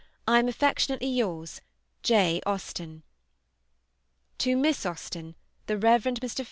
I am affectionately yours, J. AUSTEN. Miss AUSTEN, The Rev. Mr.